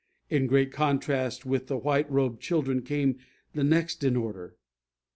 In great contrast with the white robed children came the next in order.